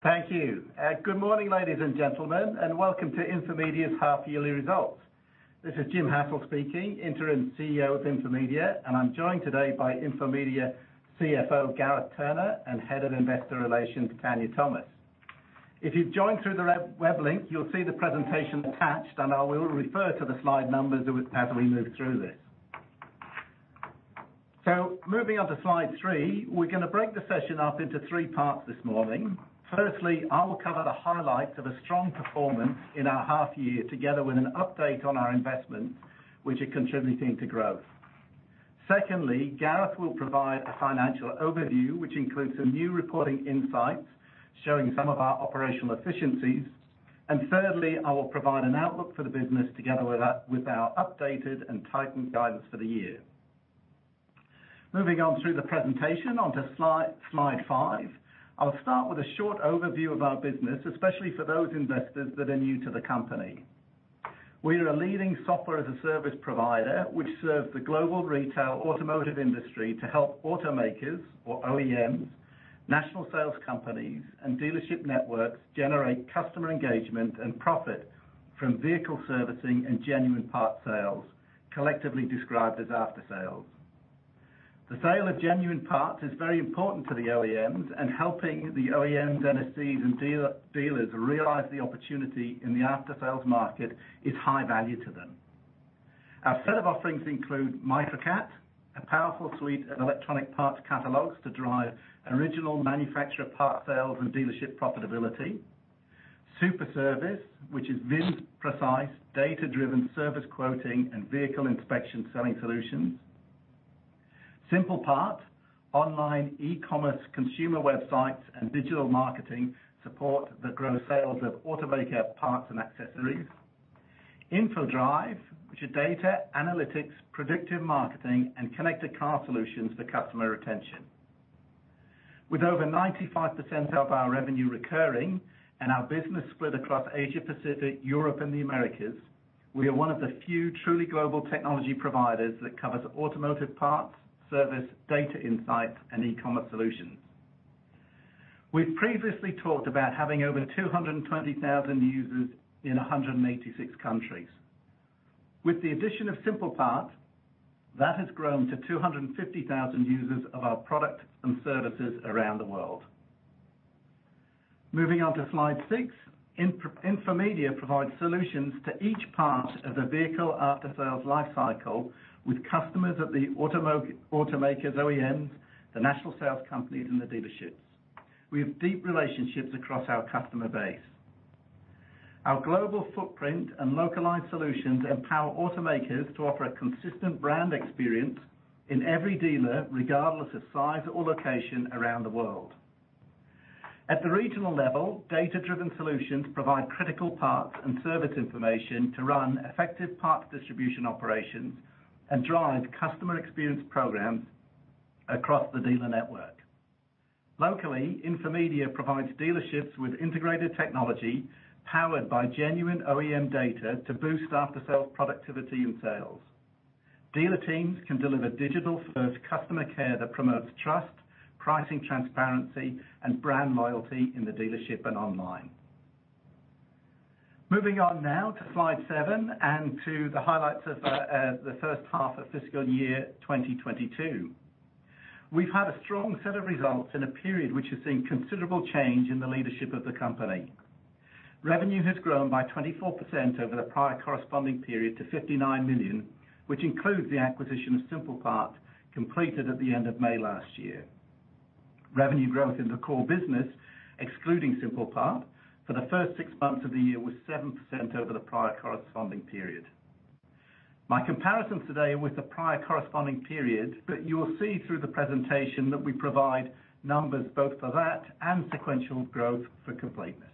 Thank you. Good morning, ladies and gentlemen, and welcome to Infomedia's half yearly results. This is Jim Hassell speaking, Interim CEO of Infomedia, and I'm joined today by Infomedia CFO, Gareth Turner, and Head of Investor Relations, Tanya Thomas. If you've joined through the webcast link, you'll see the presentation attached, and I will refer to the slide numbers as we move through this. Moving on to slide three, we're gonna break the session up into three parts this morning. Firstly, I will cover the highlights of a strong performance in our half year together with an update on our investment, which are contributing to growth. Secondly, Gareth will provide a financial overview, which includes some new reporting insights, showing some of our operational efficiencies. Thirdly, I will provide an outlook for the business together with our updated and tightened guidance for the year. Moving on through the presentation onto slide five, I'll start with a short overview of our business, especially for those investors that are new to the company. We are a leading software as a service provider, which serves the global retail automotive industry to help automakers or OEMs, national sales companies, and dealership networks generate customer engagement and profit from vehicle servicing and genuine part sales, collectively described as aftersales. The sale of genuine parts is very important to the OEMs and helping the OEMs, NSCs and dealers realize the opportunity in the aftersales market is high value to them. Our set of offerings include Microcat, a powerful suite of electronic parts catalogs to drive original manufacturer part sales and dealership profitability. Superservice, which is VIN-precise, data-driven service quoting and vehicle inspection selling solutions. SimplePart, online e-commerce consumer websites and digital marketing support that grow sales of automaker parts and accessories. Infodrive, which are data analytics, predictive marketing, and connected car solutions for customer retention. With over 95% of our revenue recurring and our business spread across Asia, Pacific, Europe and the Americas, we are one of the few truly global technology providers that covers automotive parts, service, data insights, and e-commerce solutions. We've previously talked about having over 220,000 users in 186 countries. With the addition of SimplePart, that has grown to 250,000 users of our product and services around the world. Moving on to slide six. Infomedia provides solutions to each part of the vehicle aftersales life cycle with customers of the automakers, OEMs, the national sales companies and the dealerships. We have deep relationships across our customer base. Our global footprint and localized solutions empower automakers to offer a consistent brand experience in every dealer, regardless of size or location around the world. At the regional level, data-driven solutions provide critical parts and service information to run effective parts distribution operations and drive customer experience programs across the dealer network. Locally, Infomedia provides dealerships with integrated technology powered by genuine OEM data to boost aftersales productivity and sales. Dealer teams can deliver digital-first customer care that promotes trust, pricing transparency, and brand loyalty in the dealership and online. Moving on now to slide seven and to the highlights of the first half of fiscal year 2022. We've had a strong set of results in a period which has seen considerable change in the leadership of the company. Revenue has grown by 24% over the prior corresponding period to 59 million, which includes the acquisition of SimplePart completed at the end of May last year. Revenue growth in the core business, excluding SimplePart, for the first six months of the year was 7% over the prior corresponding period. In my comparison today with the prior corresponding period that you will see through the presentation that we provide numbers both for that and sequential growth for completeness.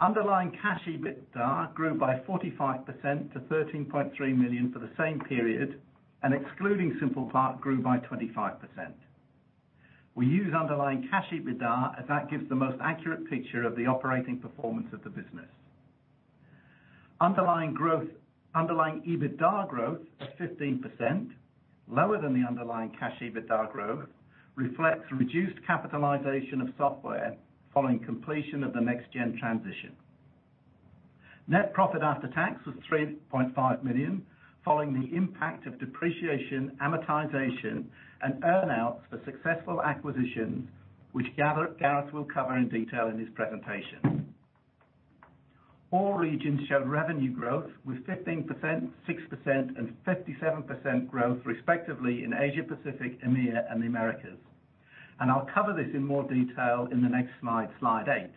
Underlying cash EBITDA grew by 45% to 13.3 million for the same period, and excluding SimplePart grew by 25%. We use underlying cash EBITDA as that gives the most accurate picture of the operating performance of the business. Underlying EBITDA growth of 15%, lower than the underlying cash EBITDA growth, reflects reduced capitalization of software following completion of the NextGen transition. Net profit after tax was 3.5 million following the impact of depreciation, amortization, and earn outs for successful acquisitions, which Gareth will cover in detail in his presentation. All regions showed revenue growth with 15%, 6%, and 57% growth respectively in Asia, Pacific, EMEA and the Americas. I'll cover this in more detail in the next slide, slide eight.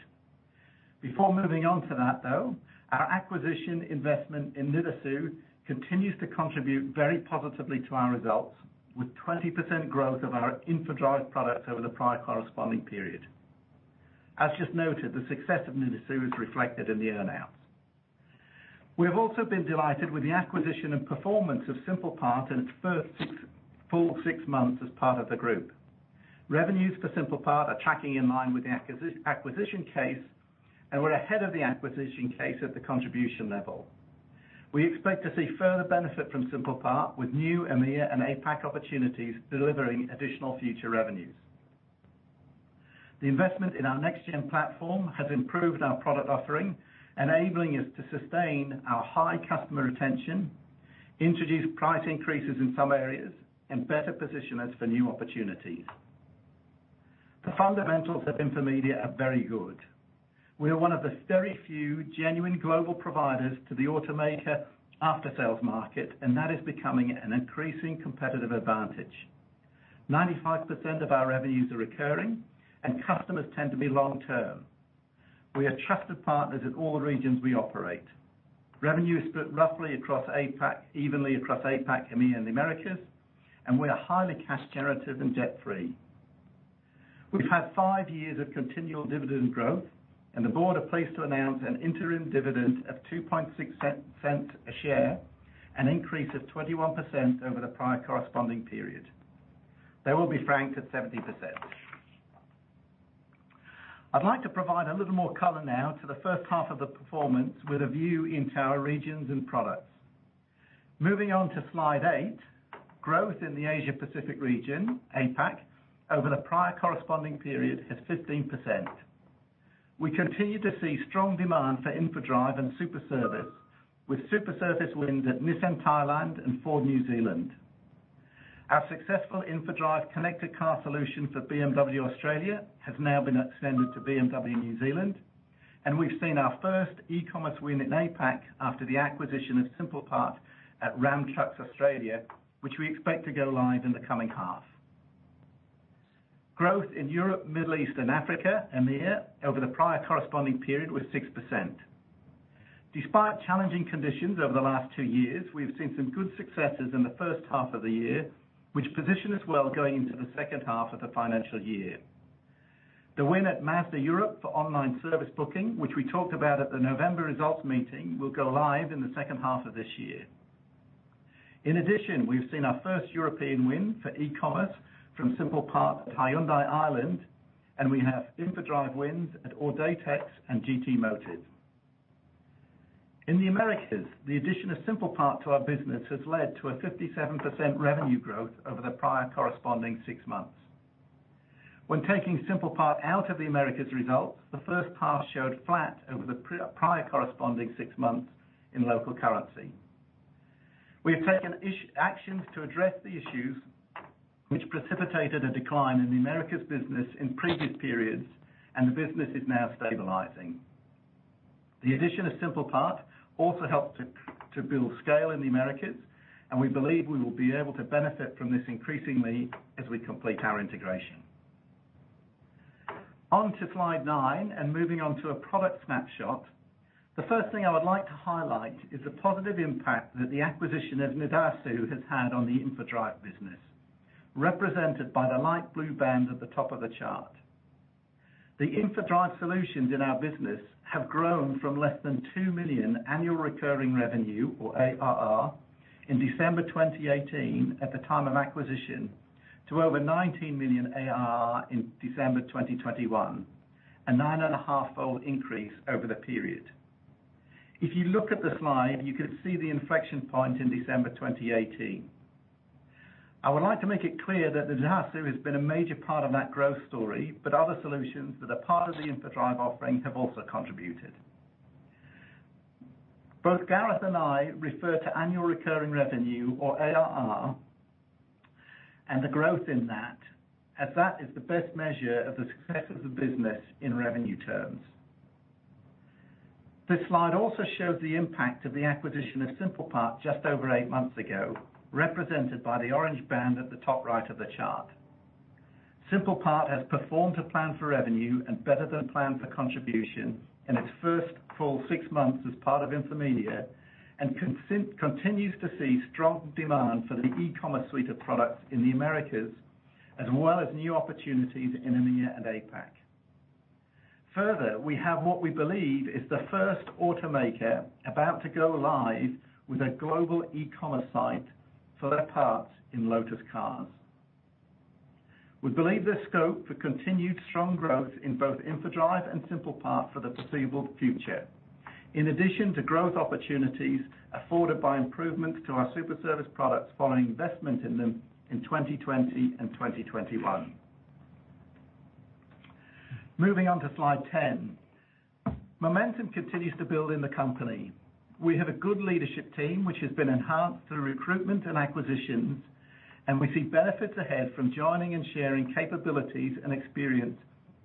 Before moving on to that, though, our acquisition investment in Nidasu continues to contribute very positively to our results with 20% growth of our Infodrive products over the prior corresponding period. As just noted, the success of Nidasu is reflected in the earn outs. We have also been delighted with the acquisition and performance of SimplePart in its first full six months as part of the group. Revenues for SimplePart are tracking in line with the acquisition case, and we're ahead of the acquisition case at the contribution level. We expect to see further benefit from SimplePart with new EMEA and APAC opportunities delivering additional future revenues. The investment in our NextGen platform has improved our product offering, enabling us to sustain our high customer retention, introduce price increases in some areas, and better position us for new opportunities. The fundamentals of Infomedia are very good. We are one of the very few genuine global providers to the automaker after-sales market, and that is becoming an increasing competitive advantage. 95% of our revenues are recurring and customers tend to be long-term. We are trusted partners in all the regions we operate. Revenue is split roughly evenly across APAC, EMEA, and Americas, and we are highly cash generative and debt-free. We've had five years of continual dividend growth, and the board are pleased to announce an interim dividend of 0.026 a share, an increase of 21% over the prior corresponding period. They will be franked at 70%. I'd like to provide a little more color now to the first half of the performance with a view into our regions and products. Moving on to slide eight. Growth in the Asia-Pacific region, APAC, over the prior corresponding period is 15%. We continue to see strong demand for Infodrive and Superservice, with Superservice wins at Nissan Thailand and Ford New Zealand. Our successful Infodrive connected car solution for BMW Australia has now been extended to BMW New Zealand, and we've seen our first e-commerce win in APAC after the acquisition of SimplePart at RAM Trucks Australia, which we expect to go live in the coming half. Growth in Europe, Middle East, and Africa, EMEA, over the prior corresponding period was 6%. Despite challenging conditions over the last two years, we've seen some good successes in the first half of the year, which position us well going into the second half of the financial year. The win at Mazda Europe for online service booking, which we talked about at the November results meeting, will go live in the second half of this year. In addition, we've seen our first European win for e-commerce from SimplePart, Hyundai Iceland, and we have Infodrive wins at Audatex and GT Motive. In the Americas, the addition of SimplePart to our business has led to a 57% revenue growth over the prior corresponding six months. When taking SimplePart out of the Americas results, the first half showed flat over the prior corresponding six months in local currency. We have taken actions to address the issues which precipitated a decline in the Americas business in previous periods, and the business is now stabilizing. The addition of SimplePart also helped to build scale in the Americas, and we believe we will be able to benefit from this increasingly as we complete our integration. On to slide nine and moving on to a product snapshot. The first thing I would like to highlight is the positive impact that the acquisition of Nidasu has had on the Infodrive business, represented by the light blue band at the top of the chart. The Infodrive solutions in our business have grown from less than 2 million annual recurring revenue, or ARR, in December 2018 at the time of acquisition, to over 19 million ARR in December 2021, a 9.5-fold increase over the period. If you look at the slide, you can see the inflection point in December 2018. I would like to make it clear that Nidasu has been a major part of that growth story, but other solutions that are part of the Infodrive offering have also contributed. Both Gareth and I refer to annual recurring revenue or ARR, and the growth in that as that is the best measure of the success of the business in revenue terms. This slide also shows the impact of the acquisition of SimplePart just over eight months ago, represented by the orange band at the top right of the chart. SimplePart has performed to plan for revenue and better than planned for contribution in its first full six months as part of Infomedia, and continues to see strong demand for the e-commerce suite of products in the Americas, as well as new opportunities in EMEA and APAC. Further, we have what we believe is the first automaker about to go live with a global e-commerce site for their parts in Lotus Cars. We believe there's scope for continued strong growth in both Infodrive and SimplePart for the foreseeable future, in addition to growth opportunities afforded by improvements to our Superservice products following investment in them in 2020 and 2021. Moving on to slide 10. Momentum continues to build in the company. We have a good leadership team which has been enhanced through recruitment and acquisitions, and we see benefits ahead from joining and sharing capabilities and experience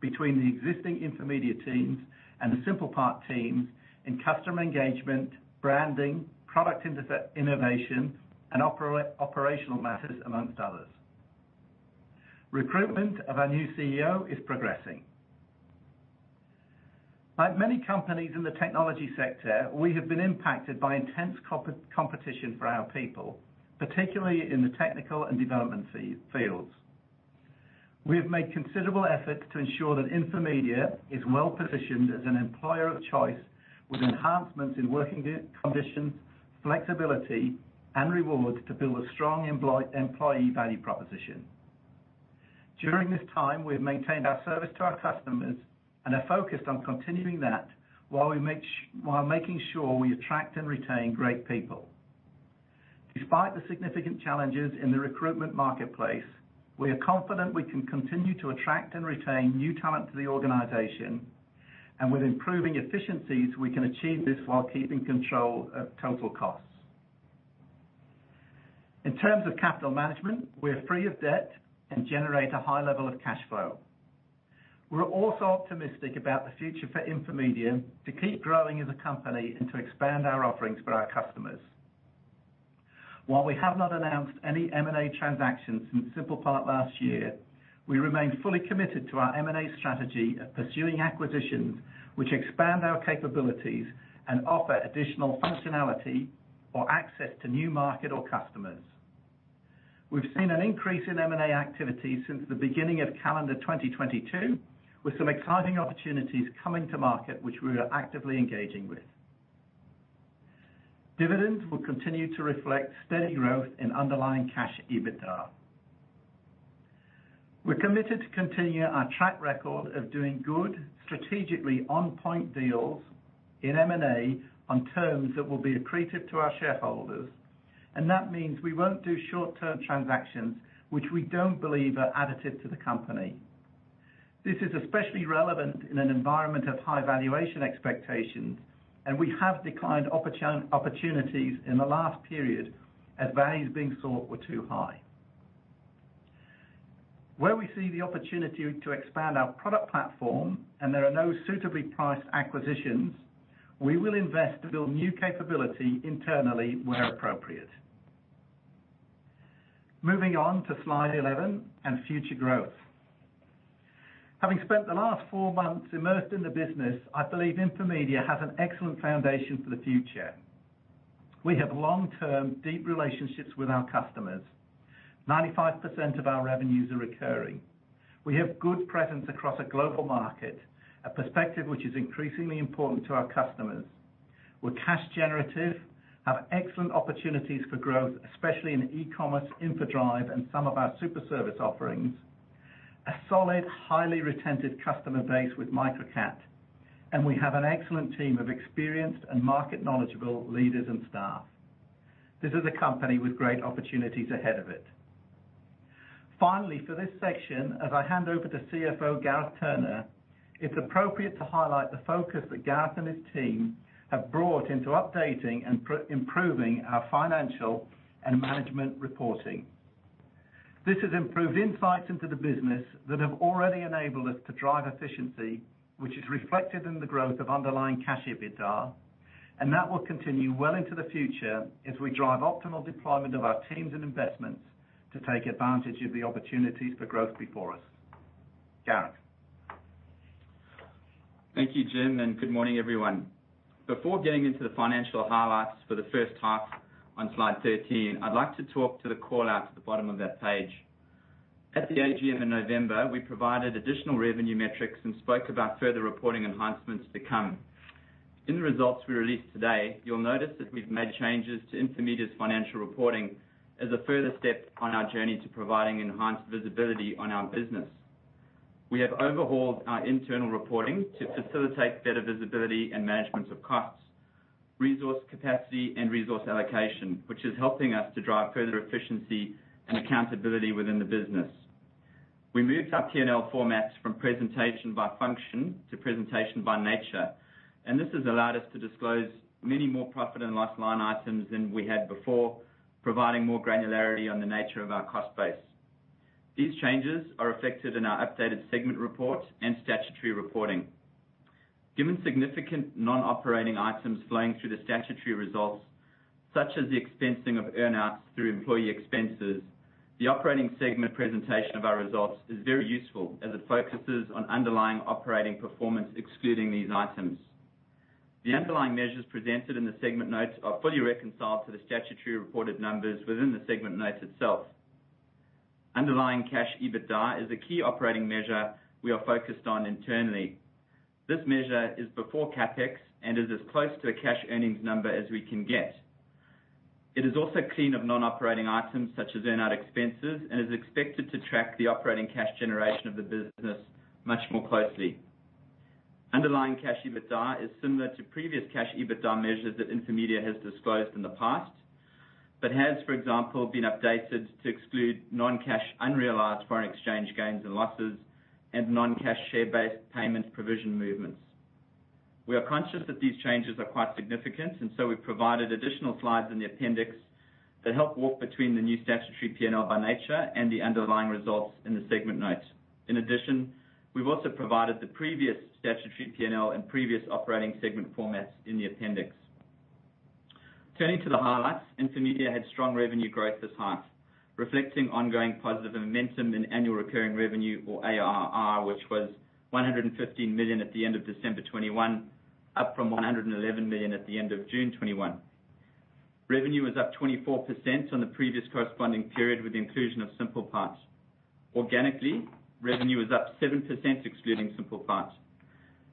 between the existing Infomedia teams and the SimplePart teams in customer engagement, branding, product innovation and operational matters, amongst others. Recruitment of our new CEO is progressing. Like many companies in the technology sector, we have been impacted by intense competition for our people, particularly in the technical and development fields. We have made considerable efforts to ensure that Infomedia is well positioned as an employer of choice, with enhancements in working conditions, flexibility and reward to build a strong employee value proposition. During this time, we've maintained our service to our customers and are focused on continuing that while making sure we attract and retain great people. Despite the significant challenges in the recruitment marketplace, we are confident we can continue to attract and retain new talent to the organization, and with improving efficiencies, we can achieve this while keeping control of total costs. In terms of capital management, we're free of debt and generate a high level of cash flow. We're also optimistic about the future for Infomedia to keep growing as a company and to expand our offerings for our customers. While we have not announced any M&A transactions since SimplePart last year, we remain fully committed to our M&A strategy of pursuing acquisitions, which expand our capabilities and offer additional functionality or access to new market or customers. We've seen an increase in M&A activity since the beginning of calendar 2022, with some exciting opportunities coming to market, which we are actively engaging with. Dividends will continue to reflect steady growth in underlying cash EBITDA. We're committed to continue our track record of doing good strategically on point deals in M&A on terms that will be accretive to our shareholders. That means we won't do short-term transactions which we don't believe are additive to the company. This is especially relevant in an environment of high valuation expectations, and we have declined opportunities in the last period as values being sought were too high. Where we see the opportunity to expand our product platform and there are no suitably priced acquisitions, we will invest to build new capability internally where appropriate. Moving on to slide 11 and future growth. Having spent the last four months immersed in the business, I believe Infomedia has an excellent foundation for the future. We have long-term, deep relationships with our customers. 95% of our revenues are recurring. We have good presence across a global market, a perspective which is increasingly important to our customers. We're cash generative, have excellent opportunities for growth, especially in e-commerce, Infodrive, and some of our Superservice offerings. A solid, highly retentive customer base with Microcat, and we have an excellent team of experienced and market knowledgeable leaders and staff. This is a company with great opportunities ahead of it. Finally, for this section, as I hand over to CFO Gareth Turner, it's appropriate to highlight the focus that Gareth and his team have brought into updating and improving our financial and management reporting. This has improved insights into the business that have already enabled us to drive efficiency, which is reflected in the growth of underlying cash EBITDA, and that will continue well into the future as we drive optimal deployment of our teams and investments to take advantage of the opportunities for growth before us. Gareth. Thank you, Jim Hassell, and good morning, everyone. Before getting into the financial highlights for the first half on slide 13, I'd like to talk to the call-out at the bottom of that page. At the AGM in November, we provided additional revenue metrics and spoke about further reporting enhancements to come. In the results we released today, you'll notice that we've made changes to Infomedia's financial reporting as a further step on our journey to providing enhanced visibility on our business. We have overhauled our internal reporting to facilitate better visibility and management of costs, resource capacity, and resource allocation, which is helping us to drive further efficiency and accountability within the business. We moved our P&L formats from presentation by function to presentation by nature, and this has allowed us to disclose many more profit and loss line items than we had before, providing more granularity on the nature of our cost base. These changes are reflected in our updated segment report and statutory reporting. Given significant non-operating items flowing through the statutory results, such as the expensing of earn-outs through employee expenses, the operating segment presentation of our results is very useful as it focuses on underlying operating performance, excluding these items. The underlying measures presented in the segment notes are fully reconciled to the statutory reported numbers within the segment notes itself. Underlying cash EBITDA is a key operating measure we are focused on internally. This measure is before CapEx and is as close to a cash earnings number as we can get. It is also clean of non-operating items such as earn-out expenses and is expected to track the operating cash generation of the business much more closely. Underlying cash EBITDA is similar to previous cash EBITDA measures that Infomedia has disclosed in the past, but has, for example, been updated to exclude non-cash unrealized foreign exchange gains and losses and non-cash share-based payments provision movements. We are conscious that these changes are quite significant, and so we've provided additional slides in the appendix that help walk between the new statutory P&L by nature and the underlying results in the segment notes. In addition, we've also provided the previous statutory P&L and previous operating segment formats in the appendix. Turning to the highlights, Infomedia had strong revenue growth this half, reflecting ongoing positive momentum in annual recurring revenue or ARR, which was 115 million at the end of December 2021, up from 111 million at the end of June 2021. Revenue was up 24% on the previous corresponding period with the inclusion of SimplePart. Organically, revenue is up 7%, excluding SimplePart.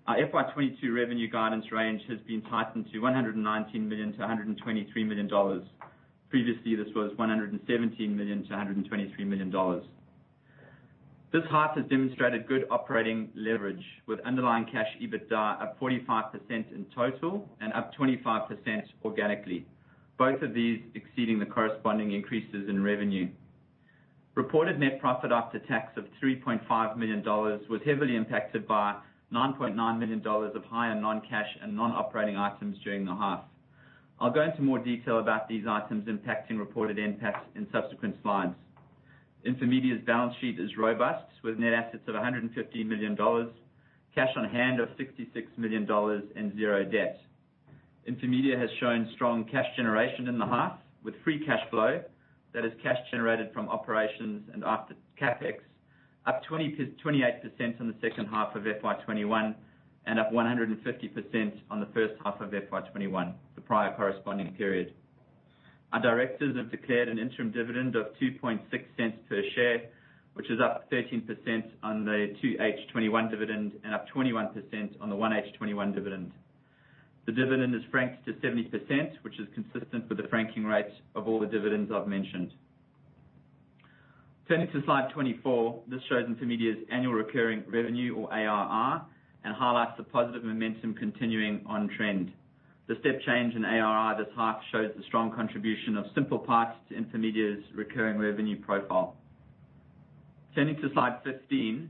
Our FY 2022 revenue guidance range has been tightened to 119 million-123 million dollars. Previously, this was 117 million-123 million dollars. This half has demonstrated good operating leverage with underlying cash EBITDA up 45% in total and up 25% organically. Both of these exceeding the corresponding increases in revenue. Reported net profit after tax of 3.5 million dollars was heavily impacted by 9.9 million dollars of higher non-cash and non-operating items during the half. I'll go into more detail about these items impacting reported impacts in subsequent slides. Infomedia's balance sheet is robust with net assets of 150 million dollars, cash on hand of 66 million dollars and 0 debt. Infomedia has shown strong cash generation in the half, with free cash flow, that is cash generated from operations and after CapEx, up 28% on the second half of FY 2021 and up 150% on the first half of FY 2021, the prior corresponding period. Our directors have declared an interim dividend of 0.026 per share, which is up 13% on the 2H21 dividend and up 21% on the 1H21 dividend. The dividend is franked to 70%, which is consistent with the franking rates of all the dividends I've mentioned. Turning to slide 24, this shows Infomedia's annual recurring revenue or ARR and highlights the positive momentum continuing on trend. The step change in ARR this half shows the strong contribution of SimplePart to Infomedia's recurring revenue profile. Turning to slide 15,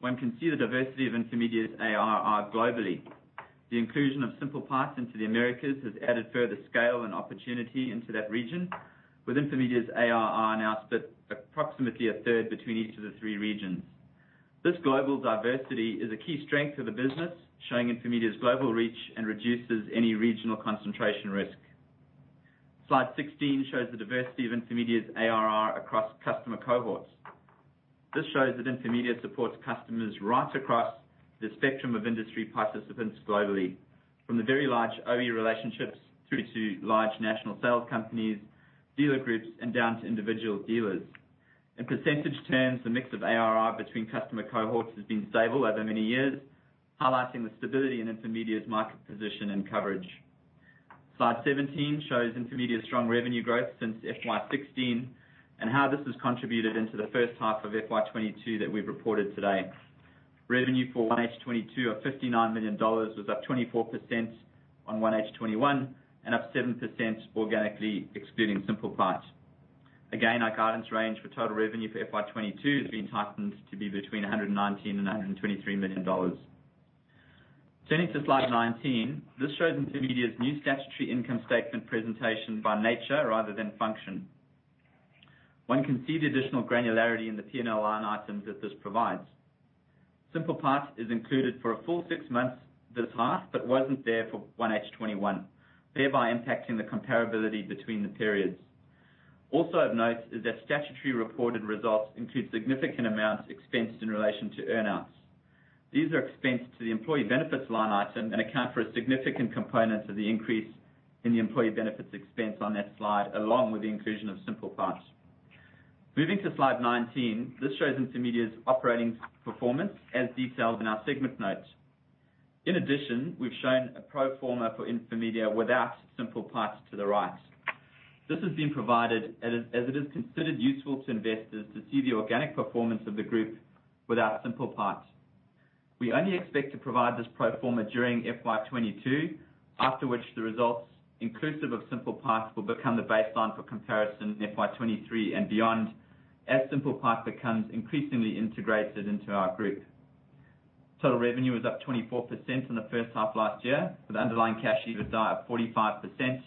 one can see the diversity of Infomedia's ARR globally. The inclusion of SimplePart into the Americas has added further scale and opportunity into that region, with Infomedia's ARR now split approximately 1/3 between each of the three regions. This global diversity is a key strength of the business, showing Infomedia's global reach and reduces any regional concentration risk. Slide 16 shows the diversity of Infomedia's ARR across customer cohorts. This shows that Infomedia supports customers right across the spectrum of industry participants globally. From the very large OEM relationships through to large national sales companies, dealer groups, and down to individual dealers. In percentage terms, the mix of ARR between customer cohorts has been stable over many years, highlighting the stability in Infomedia's market position and coverage. Slide 17 shows Infomedia's strong revenue growth since FY 2016 and how this has contributed into the first half of FY 2022 that we've reported today. Revenue for 1H22 of 59 million dollars was up 24% on 1H21 and up 7% organically excluding SimplePart. Our guidance range for total revenue for FY 2022 has been tightened to be between 119 million and 123 million dollars. Turning to slide 19, this shows Infomedia's new statutory income statement presentation by nature rather than function. One can see the additional granularity in the P&L line items that this provides. SimplePart is included for a full six months this half, but wasn't there for 1H21, thereby impacting the comparability between the periods. Also of note is that statutory reported results include significant amounts expensed in relation to earn outs. These are expensed to the employee benefits line item and account for a significant component of the increase in the employee benefits expense on that slide, along with the inclusion of SimplePart. Moving to slide 19, this shows Infomedia's operating performance as detailed in our segment notes. In addition, we've shown a pro forma for Infomedia without SimplePart to the right. This has been provided as it is considered useful to investors to see the organic performance of the group without SimplePart. We only expect to provide this pro forma during FY 2022, after which the results inclusive of SimplePart will become the baseline for comparison in FY 2023 and beyond, as SimplePart becomes increasingly integrated into our group. Total revenue was up 24% in the first half last year, with underlying cash EBITDA up 45%.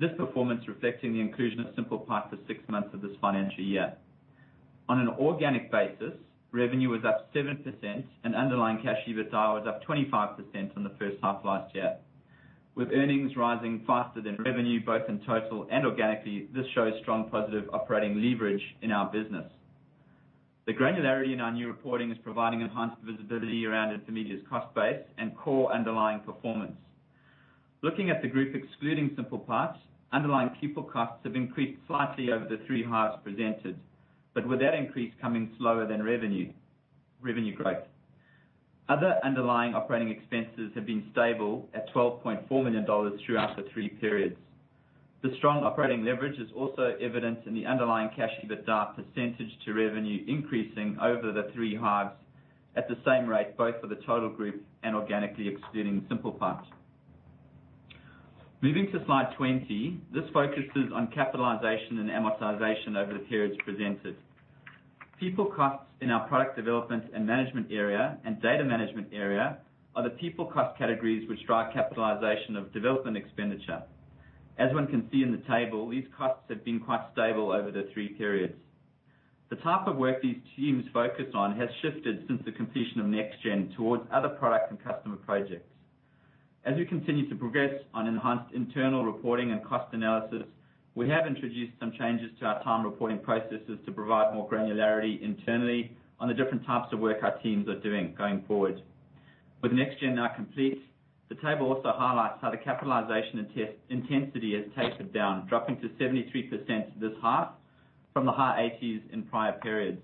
This performance reflecting the inclusion of SimplePart for six months of this financial year. On an organic basis, revenue was up 7% and underlying cash EBITDA was up 25% on the first half last year. With earnings rising faster than revenue, both in total and organically, this shows strong positive operating leverage in our business. The granularity in our new reporting is providing enhanced visibility around Infomedia's cost base and core underlying performance. Looking at the group excluding SimplePart, underlying people costs have increased slightly over the three halves presented, but with that increase coming slower than revenue growth. Other underlying operating expenses have been stable at 12.4 million dollars throughout the three periods. The strong operating leverage is also evident in the underlying cash EBITDA percentage to revenue increasing over the three halves at the same rate, both for the total group and organically excluding SimplePart. Moving to slide 20, this focuses on capitalization and amortization over the periods presented. People costs in our product development and management area and data management area are the people cost categories which drive capitalization of development expenditure. As one can see in the table, these costs have been quite stable over the three periods. The type of work these teams focus on has shifted since the completion of NextGen towards other product and customer projects. As we continue to progress on enhanced internal reporting and cost analysis, we have introduced some changes to our time reporting processes to provide more granularity internally on the different types of work our teams are doing going forward. With NextGen now complete, the table also highlights how the capitalization intensity has tapered down, dropping to 73% this half. From the high 80s in prior periods.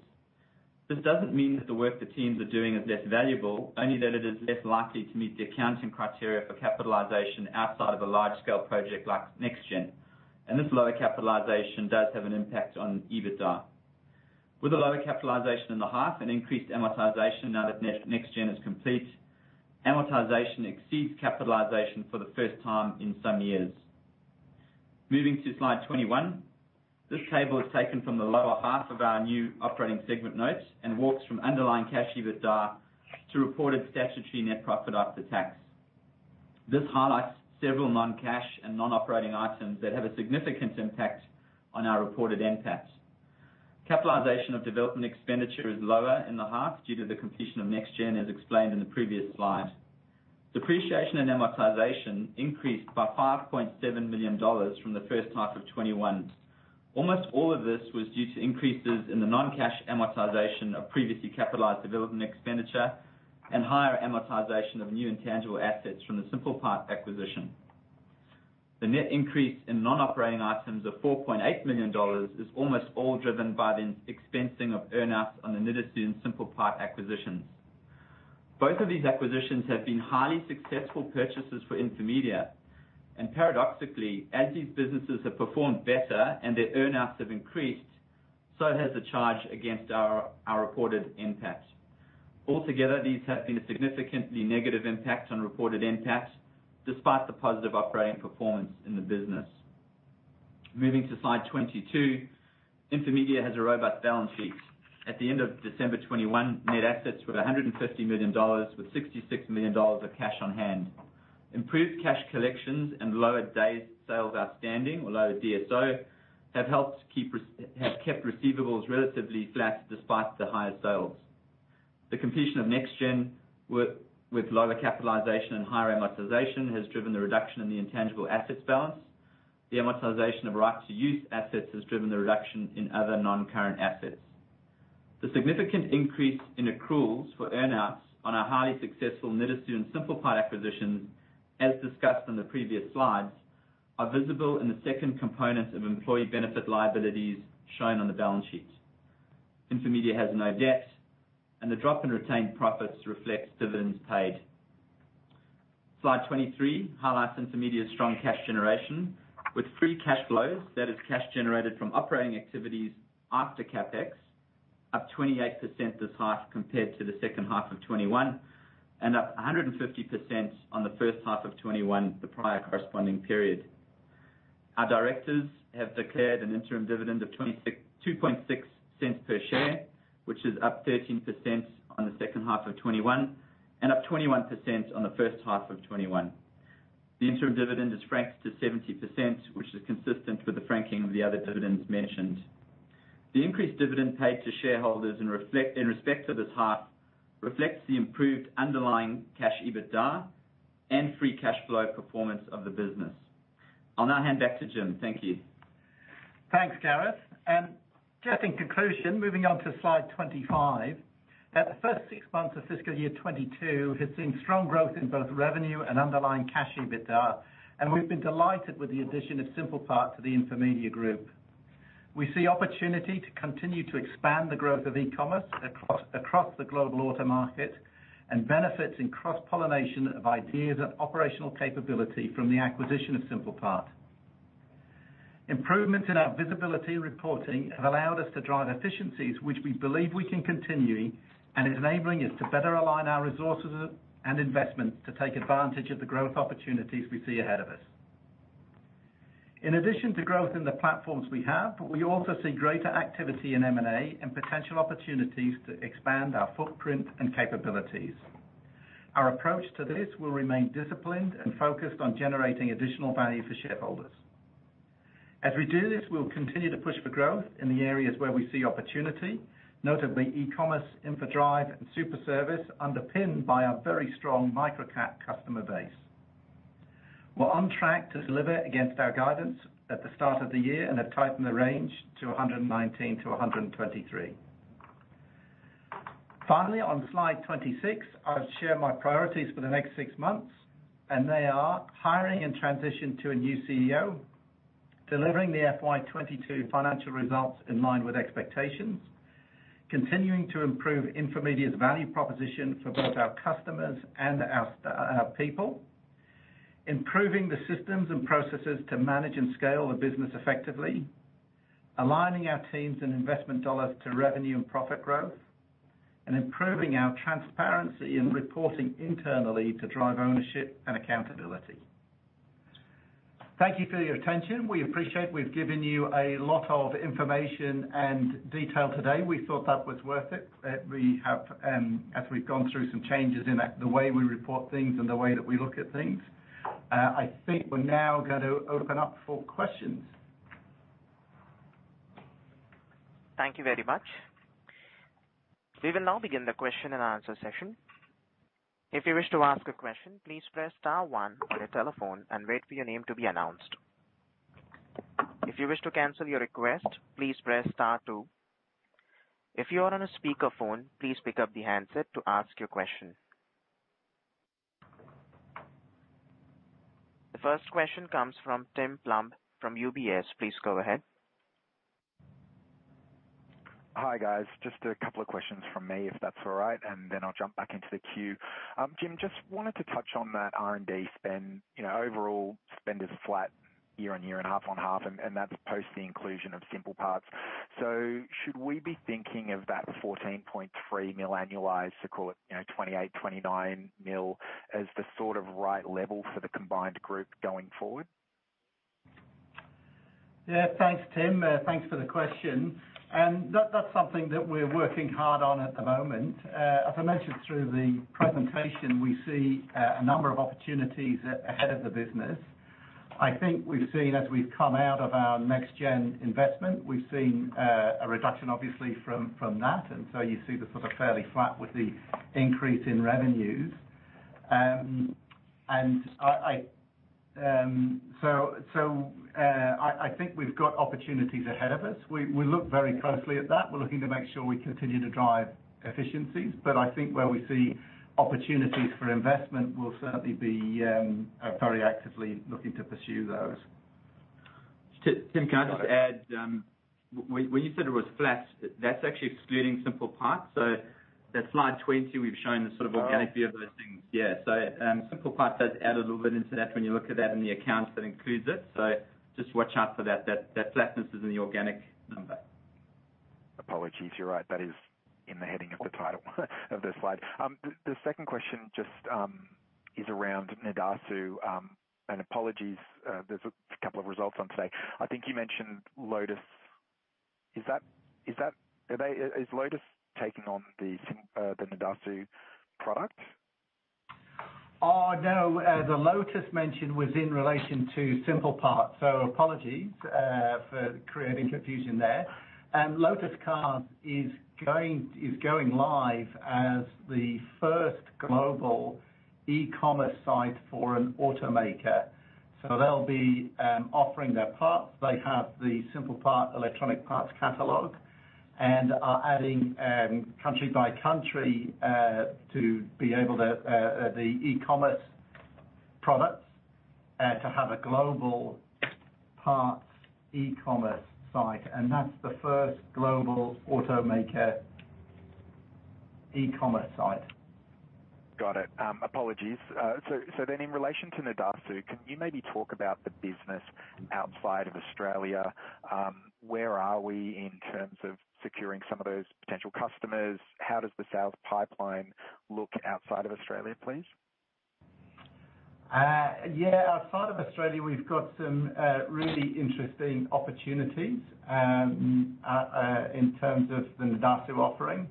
This doesn't mean that the work the teams are doing is less valuable, only that it is less likely to meet the accounting criteria for capitalization outside of a large-scale project like NextGen. This lower capitalization does have an impact on EBITDA. With a lower capitalization in the half and increased amortization now that NextGen is complete, amortization exceeds capitalization for the first time in some years. Moving to slide 21. This table is taken from the lower half of our new operating segment notes and walks from underlying cash EBITDA to reported statutory net profit after tax. This highlights several non-cash and non-operating items that have a significant impact on our reported NPAT. Capitalization of development expenditure is lower in the half due to the completion of NextGen, as explained in the previous slide. Depreciation and amortization increased by 5.7 million dollars from 1H21. Almost all of this was due to increases in the non-cash amortization of previously capitalized development expenditure and higher amortization of new intangible assets from the SimplePart acquisition. The net increase in non-operating items of 4.8 million dollars is almost all driven by the expensing of earn outs on the Nidasu and SimplePart acquisitions. Both of these acquisitions have been highly successful purchases for Infomedia, and paradoxically, as these businesses have performed better and their earn outs have increased, so has the charge against our reported NPAT. Altogether, these have been a significantly negative impact on reported NPAT, despite the positive operating performance in the business. Moving to slide 22. Infomedia has a robust balance sheet. At the end of December 2021, net assets were 150 million dollars, with 66 million dollars of cash on hand. Improved cash collections and lower days sales outstanding, or lower DSO, have kept receivables relatively flat despite the higher sales. The completion of NextGen with lower capitalization and higher amortization has driven the reduction in the intangible assets balance. The amortization of right-of-use assets has driven the reduction in other non-current assets. The significant increase in accruals for earn outs on our highly successful Nidasu SimplePart acquisitions, as discussed in the previous slides, is visible in the second component of employee benefit liabilities shown on the balance sheet. Infomedia has no debt, and the drop in retained profits reflects dividends paid. Slide 23 highlights Infomedia's strong cash generation with free cash flows, that is cash generated from operating activities after CapEx, up 28% this half compared to the second half of 2021, and up 150% on the first half of 2021, the prior corresponding period. Our directors have declared an interim dividend of 0.026 per share, which is up 13% on the second half of 2021 and up 21% on the first half of 2021. The interim dividend is franked to 70%, which is consistent with the franking of the other dividends mentioned. The increased dividend paid to shareholders in respect to this half reflects the improved underlying cash EBITDA and free cash flow performance of the business. I'll now hand back to Jim. Thank you. Thanks, Gareth. Just in conclusion, moving on to slide 25. At the first six months of fiscal year 2022 has seen strong growth in both revenue and underlying cash EBITDA, and we've been delighted with the addition of SimplePart to the Infomedia group. We see opportunity to continue to expand the growth of e-commerce across the global auto market and benefits in cross-pollination of ideas and operational capability from the acquisition of SimplePart. Improvements in our visibility reporting have allowed us to drive efficiencies, which we believe we can continue and enabling us to better align our resources and investment to take advantage of the growth opportunities we see ahead of us. In addition to growth in the platforms we have, we also see greater activity in M&A and potential opportunities to expand our footprint and capabilities. Our approach to this will remain disciplined and focused on generating additional value for shareholders. As we do this, we'll continue to push for growth in the areas where we see opportunity, notably e-commerce, Infodrive, and Superservice, underpinned by our very strong Microcat customer base. We're on track to deliver against our guidance at the start of the year and have tightened the range to 119-123. Finally, on slide 26, I'll share my priorities for the next six months, and they are hiring and transition to a new CEO, delivering the FY 2022 financial results in line with expectations, continuing to improve Infomedia's value proposition for both our customers and our people, improving the systems and processes to manage and scale the business effectively, aligning our teams and investment dollars to revenue and profit growth. Improving our transparency in reporting internally to drive ownership and accountability. Thank you for your attention. We appreciate we've given you a lot of information and detail today. We thought that was worth it, that we have, as we've gone through some changes in the way we report things and the way that we look at things. I think we're now gonna open up for questions. Thank you very much. We will now begin the question and answer session. If you wish to ask a question, please press star one on your telephone and wait for your name to be announced. If you wish to cancel your request, please press star two. If you are on a speakerphone, please pick up the handset to ask your question. The first question comes from Tim Plumbe from UBS. Please go ahead. Hi, guys. Just a couple of questions from me, if that's all right, and then I'll jump back into the queue. Jim, just wanted to touch on that R&D spend. You know, overall spend is flat year-on-year and half-on-half, and that's post the inclusion of SimplePart. Should we be thinking of that 14.3 million annualized to call it, you know, 28 million-29 million as the sort of right level for the combined group going forward? Yeah. Thanks, Tim. Thanks for the question. That's something that we're working hard on at the moment. As I mentioned through the presentation, we see a number of opportunities ahead of the business. I think we've seen as we've come out of our NextGen investment, we've seen a reduction obviously from that. You see the sort of fairly flat with the increase in revenues. I think we've got opportunities ahead of us. We look very closely at that. We're looking to make sure we continue to drive efficiencies. But I think where we see opportunities for investment, we'll certainly be very actively looking to pursue those. Tim, can I just add, when you said it was flat, that's actually excluding SimplePart. At slide 20, we've shown the sort of organic view of those things. Yeah. SimplePart does add a little bit into that when you look at that in the accounts that includes it. Just watch out for that flatness is in the organic number. Apologies. You're right. That is in the heading of the title of the slide. The second question just is around Nidasu. Apologies, there's a couple of results out today. I think you mentioned Lotus. Is Lotus taking on the Nidasu product? No. The Lotus mention was in relation to SimplePart, so apologies for creating confusion there. Lotus Cars is going live as the first global e-commerce site for an automaker. They'll be offering their parts. They have the SimplePart electronic parts catalog and are adding country by country to be able to the e-commerce products to have a global parts e-commerce site, and that's the first global automaker e-commerce site. Got it. Apologies. In relation to Nidasu, can you maybe talk about the business outside of Australia? Where are we in terms of securing some of those potential customers? How does the sales pipeline look outside of Australia, please? Outside of Australia, we've got some really interesting opportunities in terms of the Nidasu offering.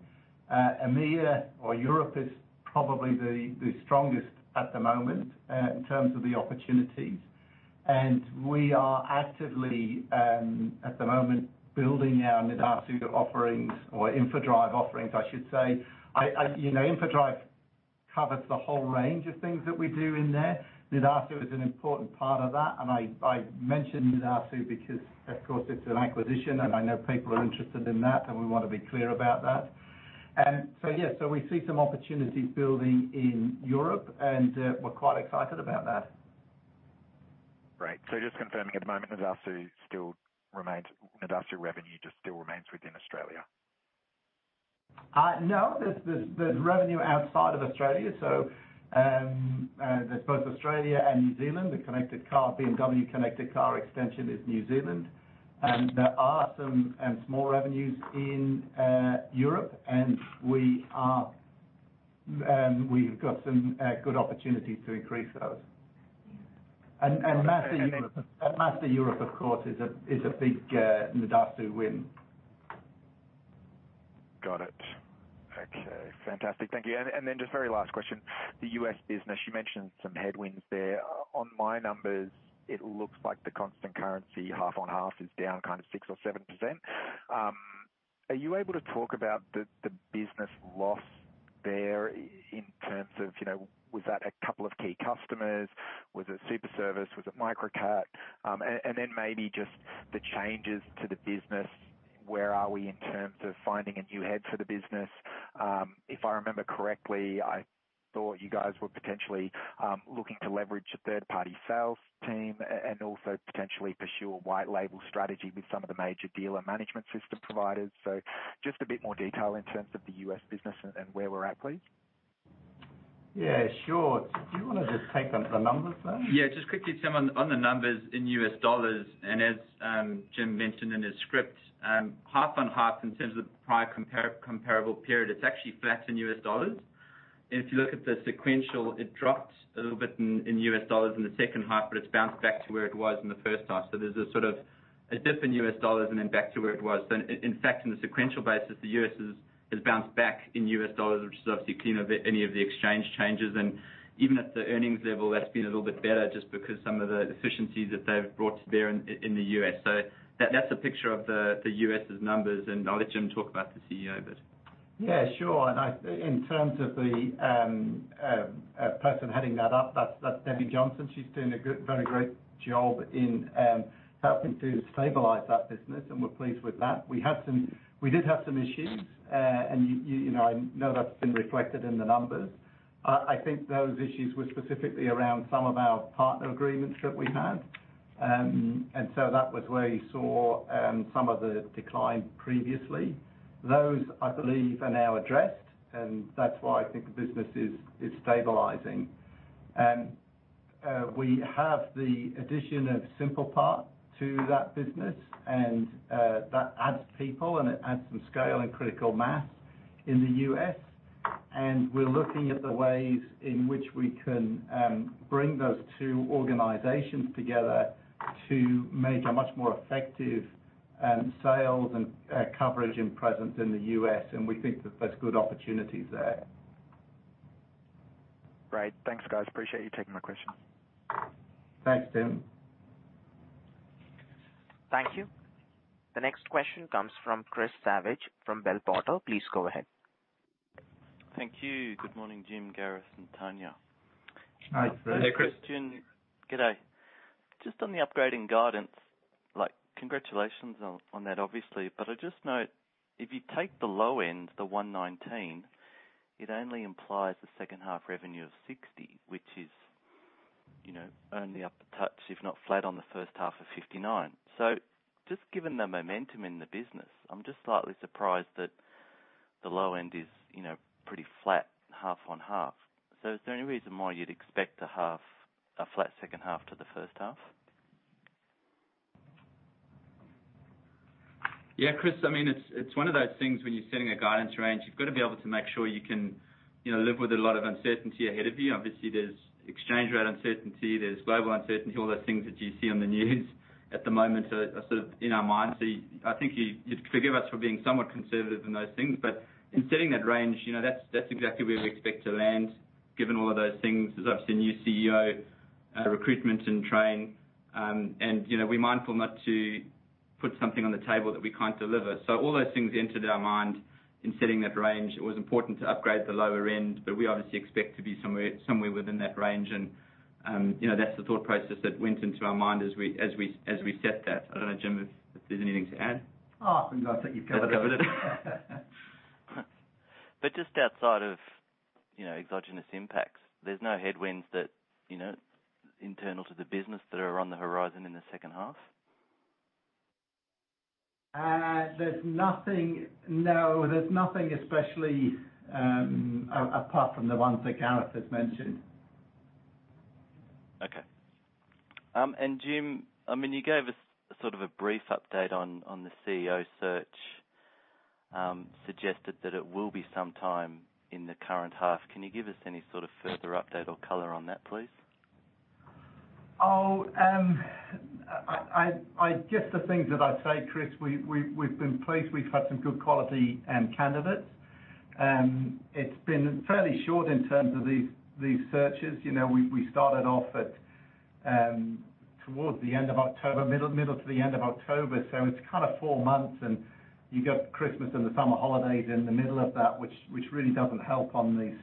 EMEA or Europe is probably the strongest at the moment in terms of the opportunities. We are actively at the moment building our Nidasu offerings or Infodrive offerings, I should say. You know, Infodrive covers the whole range of things that we do in there. Nidasu is an important part of that, and I mentioned Nidasu because of course it's an acquisition, and I know people are interested in that, and we wanna be clear about that. We see some opportunities building in Europe, and we're quite excited about that. Great. Just confirming at the moment, Nidasu revenue just still remains within Australia? No, there's revenue outside of Australia. There's both Australia and New Zealand. The connected car, BMW connected car extension is New Zealand, and there are some small revenues in Europe, and we've got some good opportunities to increase those. Mazda Europe. And then- Mazda Europe, of course, is a big Nidasu win. Got it. Okay. Fantastic. Thank you. Just very last question. The U.S. business, you mentioned some headwinds there. On my numbers, it looks like the constant currency half on half is down kind of 6% or 7%. Are you able to talk about the business loss there in terms of, you know, was that a couple of key customers? Was it SuperService? Was it Microcat? Then maybe just the changes to the business. Where are we in terms of finding a new head for the business? If I remember correctly, I thought you guys were potentially looking to leverage a third-party sales team and also potentially pursue a white label strategy with some of the major dealer management system providers. Just a bit more detail in terms of the U.S. business and where we're at, please. Yeah, sure. Do you wanna just take on the numbers then? Yeah. Just quickly, Tim, on the numbers in U.S. dollars, and as Jim mentioned in his script, half on half in terms of prior comparable period, it's actually flat in U.S. dollars. If you look at the sequential, it dropped a little bit in U.S. dollars in the second half, but it's bounced back to where it was in the first half. There's a sort of a dip in U.S. dollars and then back to where it was. In fact, in the sequential basis, the U.S. has bounced back in U.S. dollars, which is obviously clean of any of the exchange changes. Even at the earnings level, that's been a little bit better just because some of the efficiencies that they've brought to bear in the U.S. That's a picture of the U.S.' numbers, and I'll let Jim talk about the CEO bit. Yeah, sure. In terms of the person heading that up, that's Debbie Johnson. She's doing a very great job in helping to stabilize that business, and we're pleased with that. We did have some issues, and you know, I know that's been reflected in the numbers. I think those issues were specifically around some of our partner agreements that we had. That was where you saw some of the decline previously. Those, I believe, are now addressed, and that's why I think the business is stabilizing. We have the addition of SimplePart to that business, and that adds people and it adds some scale and critical mass in the U.S. We're looking at the ways in which we can bring those two organizations together to make a much more effective sales and coverage and presence in the U.S., and we think that there's good opportunities there. Right. Thanks, guys. Appreciate you taking my question. Thanks, Tim. Thank you. The next question comes from Chris Savage from Bell Potter. Please go ahead. Thank you. Good morning, Jim, Gareth, and Tanya. Hi. Hi, Chris. Good day. Just on the upgrading guidance, like, congratulations on that, obviously. I just note, if you take the low end, the 119, it only implies the second half revenue of 60, which is, you know, only up a touch, if not flat on the first half of 59. Just given the momentum in the business, I'm just slightly surprised that the low end is, you know, pretty flat half on half. Is there any reason why you'd expect a flat second half to the first half? Yeah, Chris, I mean, it's one of those things when you're setting a guidance range, you've got to be able to make sure you can, you know, live with a lot of uncertainty ahead of you. Obviously, there's exchange rate uncertainty, there's global uncertainty, all those things that you see on the news at the moment are sort of in our minds. I think you'd forgive us for being somewhat conservative in those things. In setting that range, you know, that's exactly where we expect to land given all of those things. There's obviously a new CEO recruitment and training. You know, we're mindful not to put something on the table that we can't deliver. All those things entered our mind in setting that range. It was important to upgrade the lower end, but we obviously expect to be somewhere within that range. You know, that's the thought process that went into our mind as we set that. I don't know, Jim, if there's anything to add. I think you've covered it. Covered it. Just outside of, you know, exogenous impacts, there's no headwinds that, you know, internal to the business that are on the horizon in the second half? There's nothing especially apart from the ones that Gareth has mentioned. Okay. Jim, I mean, you gave us sort of a brief update on the CEO search, suggested that it will be some time in the current half. Can you give us any sort of further update or color on that, please? I guess the things that I'd say, Chris, we've been pleased we've had some good quality candidates. It's been fairly short in terms of these searches. You know, we started off towards the end of October, middle to the end of October, so it's kind of four months and you got Christmas and the summer holidays in the middle of that, which really doesn't help on these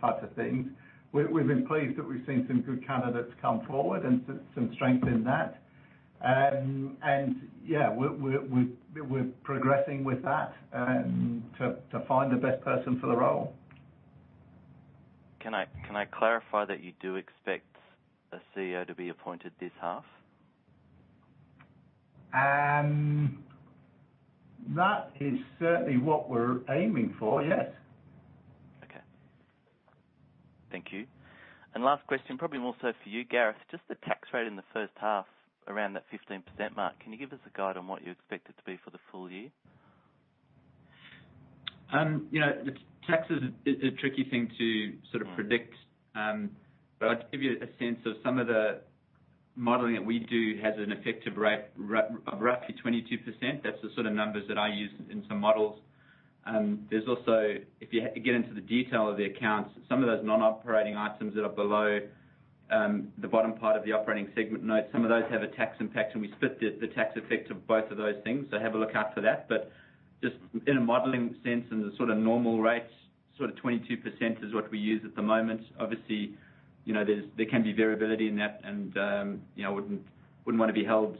types of things. We've been pleased that we've seen some good candidates come forward and so some strength in that. Yeah, we're progressing with that to find the best person for the role. Can I clarify that you do expect a CEO to be appointed this half? That is certainly what we're aiming for, yes. Okay. Thank you. Last question, probably more so for you, Gareth, just the tax rate in the first half around that 15% mark. Can you give us a guide on what you expect it to be for the full year? You know, the tax is a tricky thing to sort of predict. But I'll give you a sense of some of the modeling that we do has an effective rate, roughly 22%. That's the sort of numbers that I use in some models. There's also, if you get into the detail of the accounts, some of those non-operating items that are below the bottom part of the operating segment notes, some of those have a tax impact, and we split the tax effect of both of those things. Have a look out for that. Just in a modeling sense and the sort of normal rates, sort of 22% is what we use at the moment. Obviously, you know, there can be variability in that and, you know, wouldn't want to be held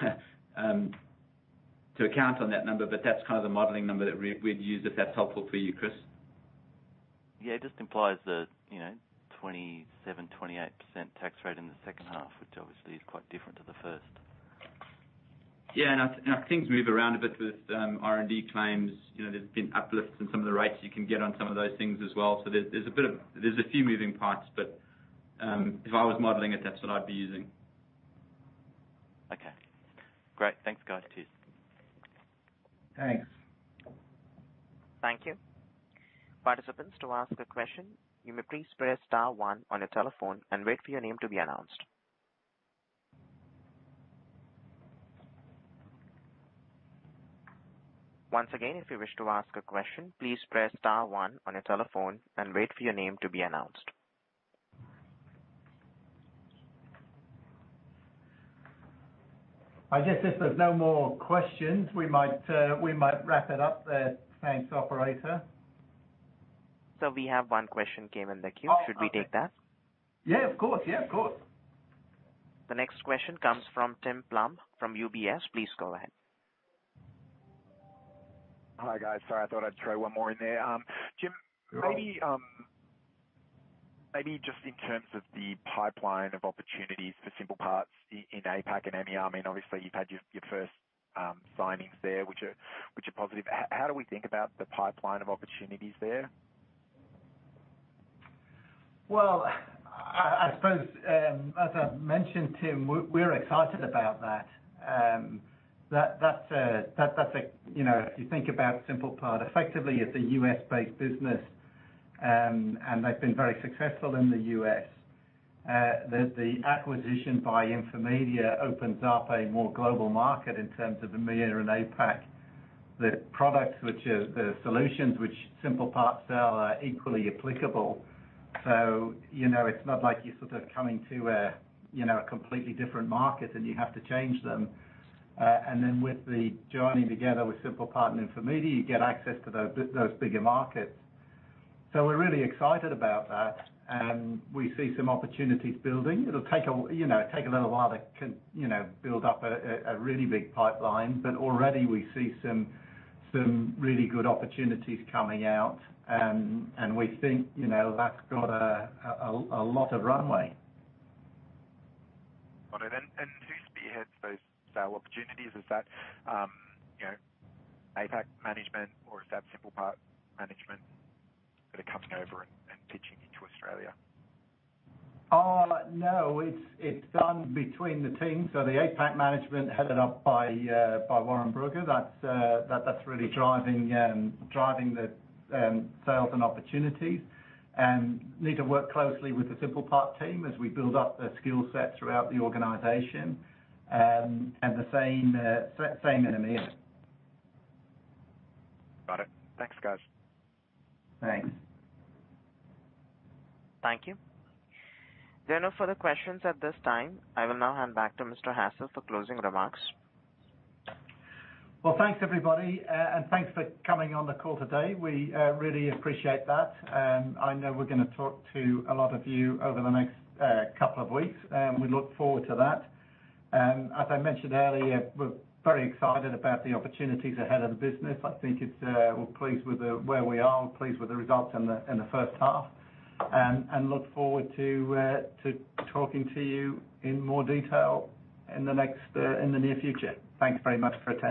to account on that number, but that's kind of the modeling number that we'd use if that's helpful for you, Chris. Yeah, it just implies that, you know, 27%-28% tax rate in the second half, which obviously is quite different to the first. Yeah. Now things move around a bit with R&D claims. You know, there's been uplifts in some of the rates you can get on some of those things as well. There's a bit of. There's a few moving parts. If I was modeling it, that's what I'd be using. Okay. Great. Thanks, guys. Cheers. Thanks. Thank you. Participants, to ask a question, you may please press star one on your telephone and wait for your name to be announced. Once again, if you wish to ask a question, please press star one on your telephone and wait for your name to be announced. I guess if there's no more questions, we might wrap it up there. Thanks, operator. We have one question came in the queue. Oh, okay. Should we take that? Yeah, of course. The next question comes from Tim Plumbe from UBS. Please go ahead. Hi, guys. Sorry, I thought I'd throw one more in there. Jim, maybe just in terms of the pipeline of opportunities for SimplePart in APAC and EMEA, I mean, obviously, you've had your first signings there, which are positive. How do we think about the pipeline of opportunities there? Well, I suppose, as I mentioned, Tim, we're excited about that. That's a. You know, if you think about SimplePart, effectively it's a U.S.-based business, and they've been very successful in the U.S. The acquisition by Infomedia opens up a more global market in terms of EMEA and APAC. The products which are the solutions which SimplePart's sell are equally applicable. You know, it's not like you're sort of coming to a completely different market, and you have to change them. With the joining together with SimplePart and Infomedia, you get access to those bigger markets. We're really excited about that. We see some opportunities building. It'll take a little while to con. You know, build up a really big pipeline. Already we see some really good opportunities coming out. We think, you know, that's got a lot of runway. Got it. Who spearheads those sale opportunities? Is that, you know, APAC management or is that SimplePart management that are coming over and pitching into Australia? No, it's done between the teams. The APAC management headed up by Warren Brugger, that's really driving the sales and opportunities. The same in EMEA. Got it. Thanks, guys. Thanks. Thank you. There are no further questions at this time. I will now hand back to Mr. Hassell for closing remarks. Well, thanks, everybody. Thanks for coming on the call today. We really appreciate that. I know we're gonna talk to a lot of you over the next couple of weeks, and we look forward to that. As I mentioned earlier, we're very excited about the opportunities ahead of the business. We're pleased with where we are. We're pleased with the results in the first half. Look forward to talking to you in more detail in the near future. Thanks very much for attending.